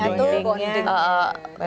ada bounding ya